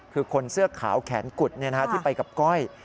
คือคนเสื้อขาวแขนกุดที่ไปกับก้อย